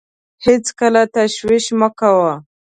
هېڅکله تشویش مه کوه .